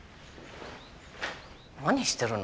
何してるの？